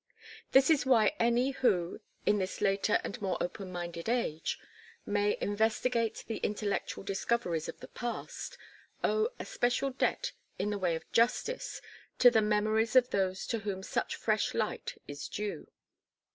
This is why any who, in this later and more open minded age, may investigate the intellectual discoveries of the past, owe a special debt in the way of justice to the memories of those to whom such fresh light is due.